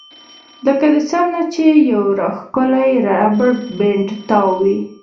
لکه د سر نه چې يو راښکلی ربر بېنډ تاو وي